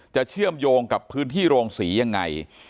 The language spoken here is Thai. เชื่อมโยงกับพื้นที่โรงศรียังไง